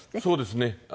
そうですね。